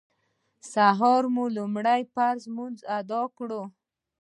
سهار مو لومړی فرض لمونځ اداء کړ.